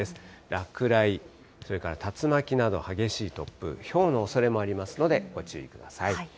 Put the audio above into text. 落雷それから竜巻など激しい突風、ひょうのおそれもありますので、ご注意ください。